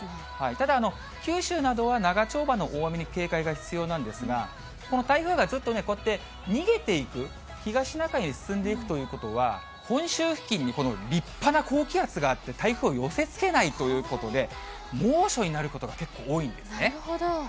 ただ、九州などは長丁場の大雨に警戒が必要なんですが、この台風がずっと、こうやって逃げていく、東シナ海に進んでいくということは、本州付近にこの立派な高気圧があって、台風を寄せつけないということで、猛暑になることが結構多いんですなるほど。